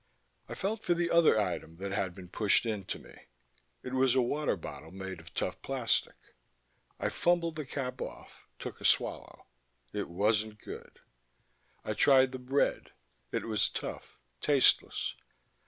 I felt for the other item that had been pushed in to me. It was a water bottle made of tough plastic. I fumbled the cap off, took a swallow. It wasn't good. I tried the bread; it was tough, tasteless.